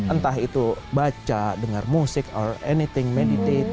entah itu baca dengar musik atau anything meditasi